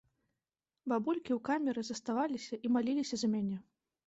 Бабулькі ў камеры заставаліся і маліліся за мяне.